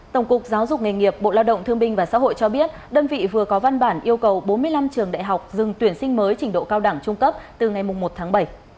tổng cục giáo dục nghề nghiệp bộ lao động thương binh và xã hội cho biết đơn vị vừa có văn bản yêu cầu bốn mươi năm trường đại học dừng tuyển sinh mới trình độ cao đẳng trung cấp từ ngày một tháng bảy